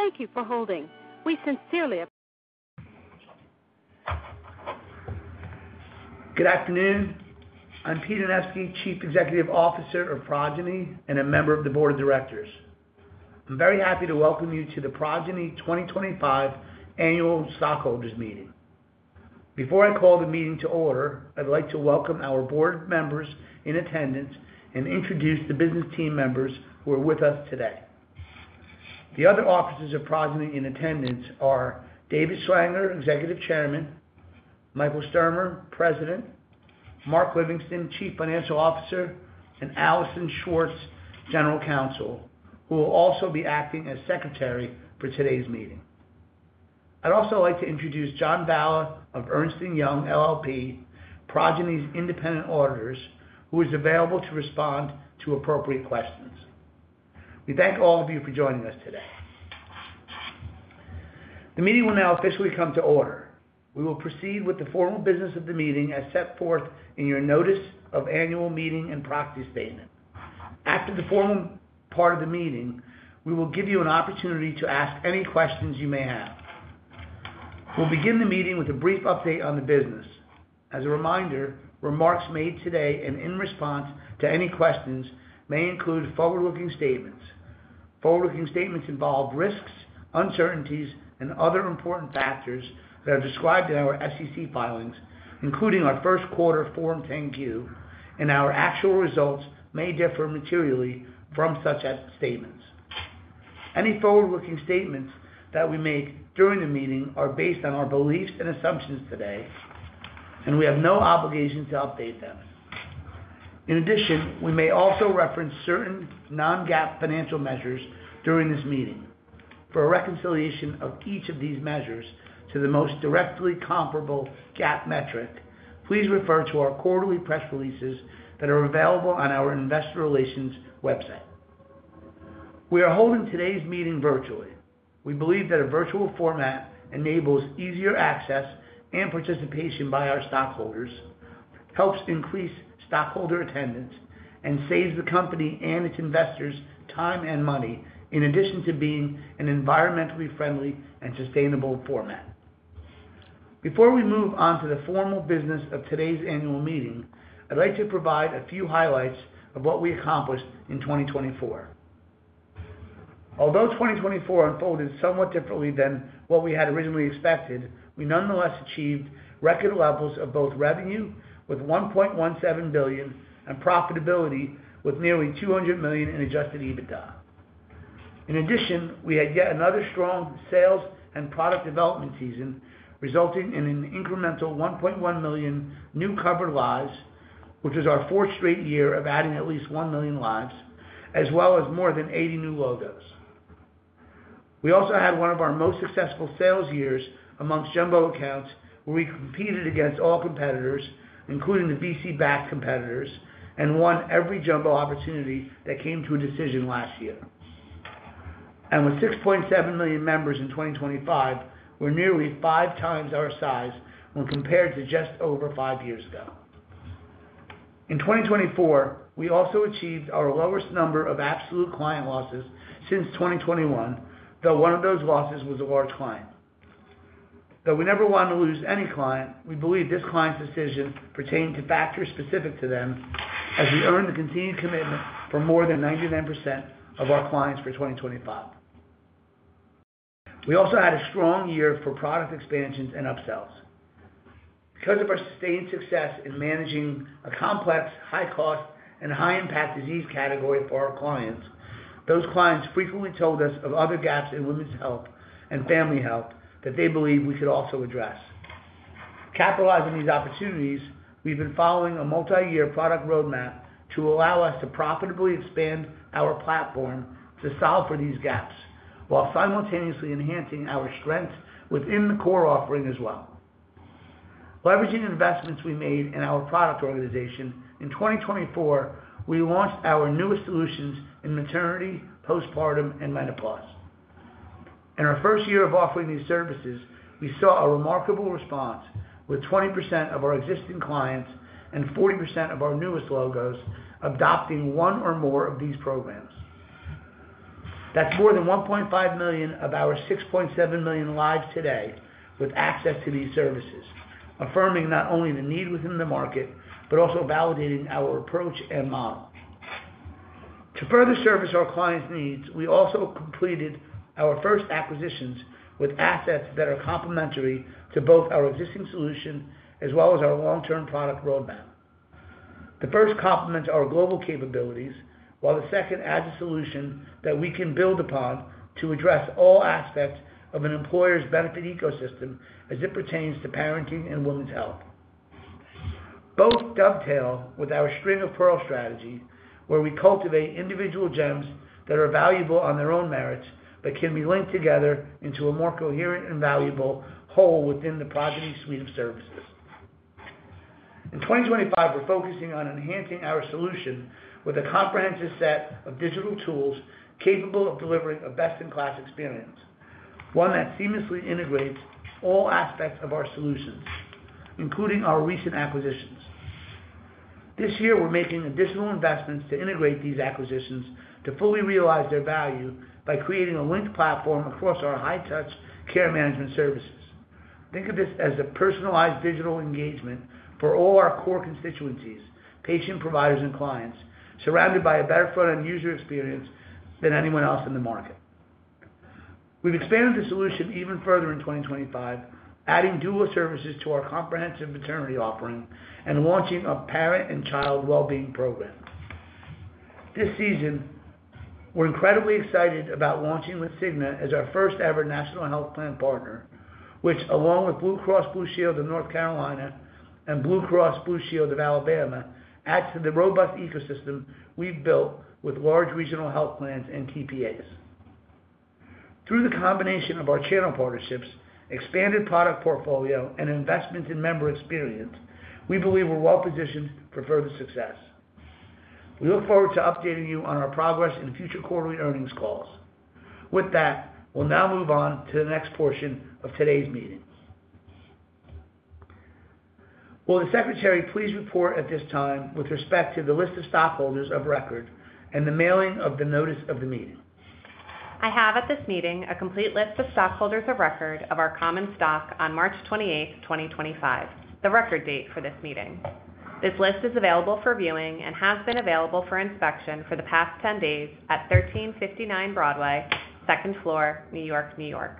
Thank you for holding. We sincerely appreciate it. Good afternoon. I'm Peter Anevski, Chief Executive Officer of Progyny and a member of the Board of Directors. I'm very happy to welcome you to the Progyny 2025 Annual Stockholders' Meeting. Before I call the meeting to order, I'd like to welcome our board members in attendance and introduce the business team members who are with us today. The other officers of Progyny in attendance are David Schlanger, Executive Chairman, Michael Sturmer, President, Mark Livingston, Chief Financial Officer, and Allison Swartz, General Counsel, who will also be acting as Secretary for today's meeting. I'd also like to introduce John Baugh of Ernst & Young, LLP, Progyny's independent auditors, who is available to respond to appropriate questions. We thank all of you for joining us today. The meeting will now officially come to order. We will proceed with the formal business of the meeting as set forth in your Notice of Annual Meeting and Proxy Statement. After the formal part of the meeting, we will give you an opportunity to ask any questions you may have. We'll begin the meeting with a brief update on the business. As a reminder, remarks made today and in response to any questions may include forward-looking statements. Forward-looking statements involve risks, uncertainties, and other important factors that are described in our SEC filings, including our first quarter Form 10-Q, and our actual results may differ materially from such statements. Any forward-looking statements that we make during the meeting are based on our beliefs and assumptions today, and we have no obligation to update them. In addition, we may also reference certain non-GAAP financial measures during this meeting. For a reconciliation of each of these measures to the most directly comparable GAAP metric, please refer to our quarterly press releases that are available on our Investor Relations website. We are holding today's meeting virtually. We believe that a virtual format enables easier access and participation by our stockholders, helps increase stockholder attendance, and saves the company and its investors time and money in addition to being an environmentally friendly and sustainable format. Before we move on to the formal business of today's annual meeting, I'd like to provide a few highlights of what we accomplished in 2024. Although 2024 unfolded somewhat differently than what we had originally expected, we nonetheless achieved record levels of both revenue with $1.17 billion and profitability with nearly $200 million in adjusted EBITDA. In addition, we had yet another strong sales and product development season, resulting in an incremental 1.1 million new covered lives, which was our fourth straight year of adding at least 1 million lives, as well as more than 80 new logos. We also had one of our most successful sales years amongst jumbo accounts, where we competed against all competitors, including the VC-backed competitors, and won every jumbo opportunity that came to a decision last year. With 6.7 million members in 2025, we're nearly five times our size when compared to just over five years ago. In 2024, we also achieved our lowest number of absolute client losses since 2021, though one of those losses was a large client. Though we never wanted to lose any client, we believe this client's decision pertained to factors specific to them, as we earned the continued commitment for more than 99% of our clients for 2025. We also had a strong year for product expansions and upsells. Because of our sustained success in managing a complex, high-cost, and high-impact disease category for our clients, those clients frequently told us of other gaps in women's health and family health that they believe we could also address. Capitalizing these opportunities, we've been following a multi-year product roadmap to allow us to profitably expand our platform to solve for these gaps while simultaneously enhancing our strengths within the core offering as well. Leveraging investments we made in our product organization, in 2024, we launched our newest solutions in maternity, postpartum, and menopause. In our first year of offering these services, we saw a remarkable response with 20% of our existing clients and 40% of our newest logos adopting one or more of these programs. That's more than 1.5 million of our 6.7 million lives today with access to these services, affirming not only the need within the market but also validating our approach and model. To further service our clients' needs, we also completed our first acquisitions with assets that are complementary to both our existing solution as well as our long-term product roadmap. The first complements our global capabilities, while the second adds a solution that we can build upon to address all aspects of an employer's benefit ecosystem as it pertains to parenting and women's health. Both dovetail with our string of pearl strategy, where we cultivate individual gems that are valuable on their own merits but can be linked together into a more coherent and valuable whole within the Progyny suite of services. In 2025, we're focusing on enhancing our solution with a comprehensive set of digital tools capable of delivering a best-in-class experience, one that seamlessly integrates all aspects of our solutions, including our recent acquisitions. This year, we're making additional investments to integrate these acquisitions to fully realize their value by creating a linked platform across our high-touch care management services. Think of this as a personalized digital engagement for all our core constituencies, patient providers, and clients, surrounded by a better front-end user experience than anyone else in the market. We've expanded the solution even further in 2025, adding dual services to our comprehensive maternity offering and launching a parent and child well-being program. This season, we're incredibly excited about launching with Cigna as our first-ever national health plan partner, which, along with Blue Cross Blue Shield of North Carolina and Blue Cross Blue Shield of Alabama, adds to the robust ecosystem we've built with large regional health plans and TPAs. Through the combination of our channel partnerships, expanded product portfolio, and investment in member experience, we believe we're well-positioned for further success. We look forward to updating you on our progress in future quarterly earnings calls. With that, we'll now move on to the next portion of today's meeting. Will the Secretary please report at this time with respect to the list of stockholders of record and the mailing of the notice of the meeting? I have at this meeting a complete list of stockholders of record of our common stock on March 28, 2025, the record date for this meeting. This list is available for viewing and has been available for inspection for the past 10 days at 1359 Broadway, Second Floor, New York, New York.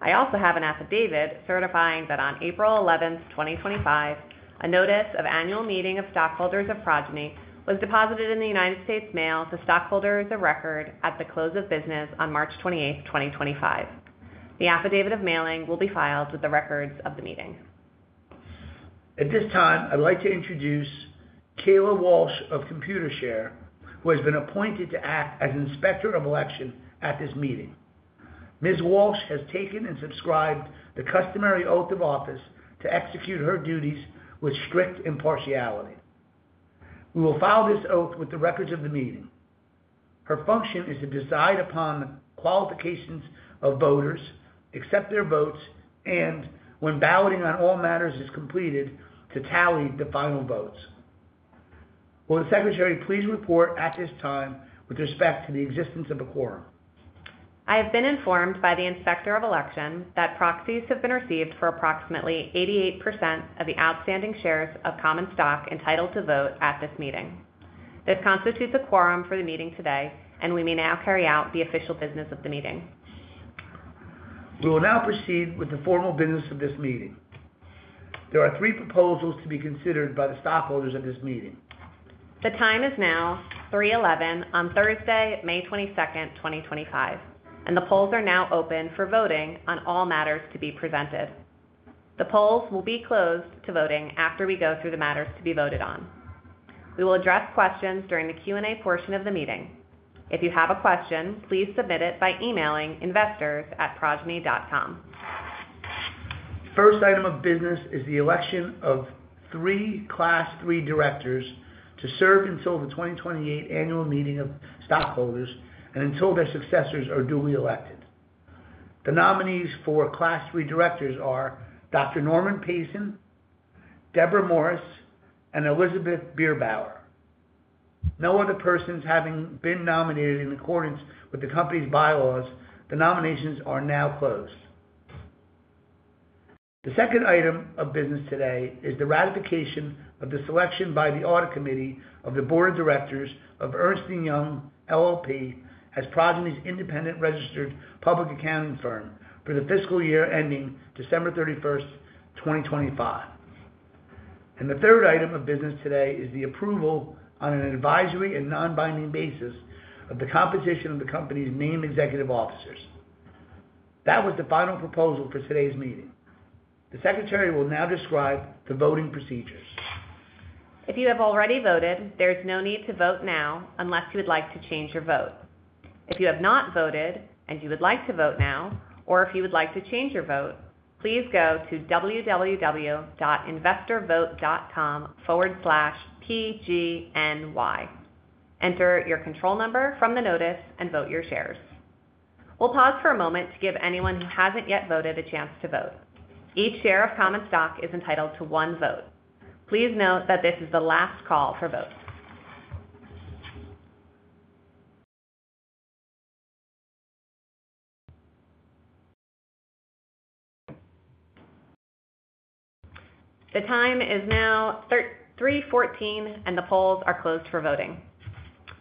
I also have an affidavit certifying that on April 11, 2025, a notice of annual meeting of stockholders of Progyny was deposited in the United States Mail to stockholders of record at the close of business on March 28, 2025. The affidavit of mailing will be filed with the records of the meeting. At this time, I'd like to introduce Kayla Walsh of ComputerShare, who has been appointed to act as Inspector of Election at this meeting. Ms. Walsh has taken and subscribed the customary oath of office to execute her duties with strict impartiality. We will file this oath with the records of the meeting. Her function is to decide upon the qualifications of voters, accept their votes, and, when balloting on all matters is completed, to tally the final votes. Will the Secretary please report at this time with respect to the existence of a quorum? I have been informed by the Inspector of Election that proxies have been received for approximately 88% of the outstanding shares of common stock entitled to vote at this meeting. This constitutes a quorum for the meeting today, and we may now carry out the official business of the meeting. We will now proceed with the formal business of this meeting. There are three proposals to be considered by the stockholders of this meeting. The time is now 3:11 P.M. on Thursday, May 22, 2025, and the polls are now open for voting on all matters to be presented. The polls will be closed to voting after we go through the matters to be voted on. We will address questions during the Q&A portion of the meeting. If you have a question, please submit it by emailing investors@progyny.com. First item of business is the election of three Class III directors to serve until the 2028 Annual Meeting of Stockholders and until their successors are duly elected. The nominees for Class III directors are Dr. Norman Payson, Deborah Morris, and Elizabeth Beerbaur. No other persons having been nominated in accordance with the company's bylaws, the nominations are now closed. The second item of business today is the ratification of the selection by the Audit Committee of the Board of Directors of Ernst & Young, LLP, as Progyny's independent registered public accounting firm for the fiscal year ending December 31, 2025. The third item of business today is the approval on an advisory and non-binding basis of the composition of the company's named executive officers. That was the final proposal for today's meeting. The Secretary will now describe the voting procedures. If you have already voted, there is no need to vote now unless you would like to change your vote. If you have not voted and you would like to vote now, or if you would like to change your vote, please go to www.investorvote.com/pgny. Enter your control number from the notice and vote your shares. We'll pause for a moment to give anyone who hasn't yet voted a chance to vote. Each share of common stock is entitled to one vote. Please note that this is the last call for votes. The time is now 3:14 P.M., and the polls are closed for voting.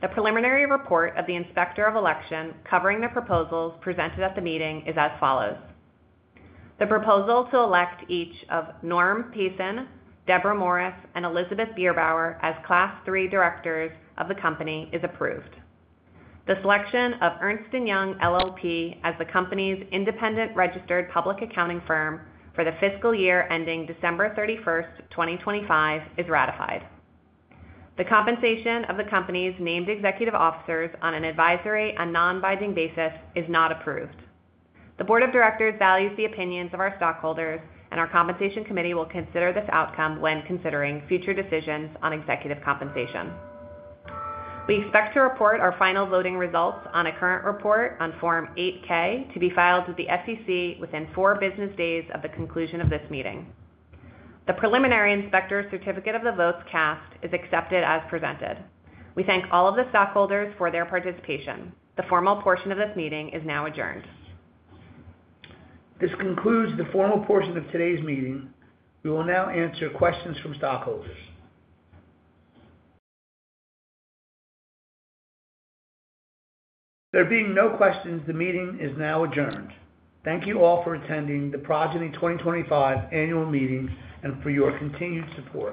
The preliminary report of the Inspector of Election covering the proposals presented at the meeting is as follows. The proposal to elect each of Dr. Norman Payson, Deborah Morris, and Elizabeth Beerbaur as Class III directors of the company is approved. The selection of Ernst & Young, LLP, as the company's independent registered public accounting firm for the fiscal year ending December 31, 2025, is ratified. The compensation of the company's named executive officers on an advisory and non-binding basis is not approved. The Board of Directors values the opinions of our stockholders, and our Compensation Committee will consider this outcome when considering future decisions on executive compensation. We expect to report our final voting results on a current report on Form 8-K to be filed with the SEC within four business days of the conclusion of this meeting. The preliminary inspector certificate of the votes cast is accepted as presented. We thank all of the stockholders for their participation. The formal portion of this meeting is now adjourned. This concludes the formal portion of today's meeting. We will now answer questions from stockholders. There being no questions, the meeting is now adjourned. Thank you all for attending the Progyny 2025 Annual Meeting and for your continued support.